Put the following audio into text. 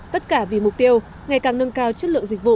tất cả vì mục tiêu ngày càng nâng cao chất lượng dịch vụ